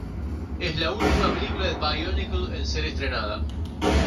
Es la última película de Bionicle en ser estrenada.